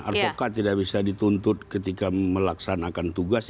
advokat tidak bisa dituntut ketika melaksanakan tugas